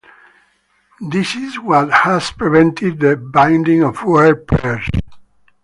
This is what has prevented the binding of word pairs.